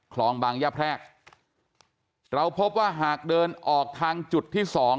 คลองบางย่าแพรกเราพบว่าหากเดินออกทางจุดที่สอง